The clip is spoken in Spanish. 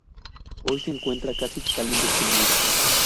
Hoy se encuentra casi totalmente extinguido.